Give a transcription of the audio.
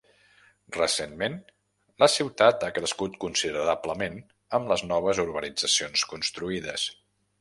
Recentment, la ciutat ha crescut considerablement amb les noves urbanitzacions construïdes.